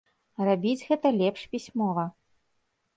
Рабіць гэта лепш пісьмова.